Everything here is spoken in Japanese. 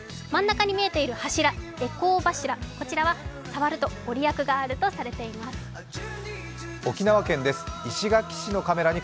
真ん中に見えている柱、回向柱